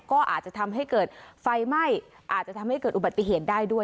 ก็อาจจะทำให้เกิดไฟไหม้อาจจะทำให้เกิดอุบัติเหตุได้ด้วย